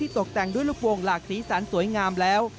ตกแต่งด้วยลูกวงหลากสีสันสวยงามแล้ว